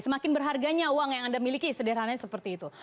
semakin berharganya uang yang anda miliki sederhananya seperti itu